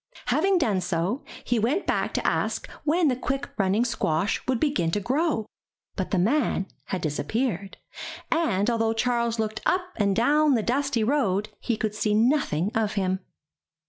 Having done so, he went back to ask when the quick running squash would begin to grow. But the man had disappeared, and, al though Charles looked up and down the dusty road, he could see nothing of him.